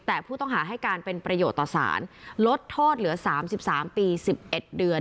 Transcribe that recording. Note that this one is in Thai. แต่ผู้ต้องหาให้การเป็นประโยชน์ต่อสารลดโทษเหลือ๓๓ปี๑๑เดือน